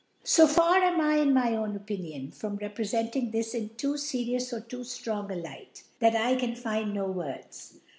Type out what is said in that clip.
So far am I, in nr>y own Opinion, .from repf eienring this in too ferious or too >ftroi^ a Light, that I can find no Words